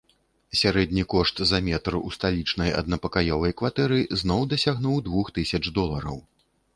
Сярэдні кошт за метр у сталічнай аднапакаёвай кватэры зноў дасягнуў двух тысяч долараў.